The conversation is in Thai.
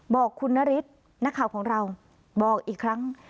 บอกคุณนฤทธิ์นักข่าวของเราบอกอีกครั้ง